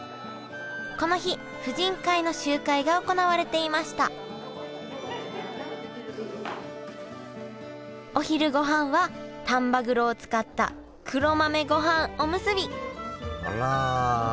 この日婦人会の集会が行われていましたお昼ごはんは丹波黒を使った黒豆ごはんおむすびあら。